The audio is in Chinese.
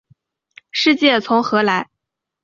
世界从何来？